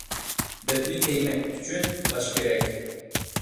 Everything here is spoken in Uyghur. بۆكنى كىيمەك ئۈچۈن باش كېرەك.